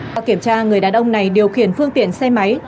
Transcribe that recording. qua kiểm tra người đàn ông này điều khiển phương tiện xe máy